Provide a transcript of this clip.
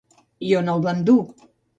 I on el van dur?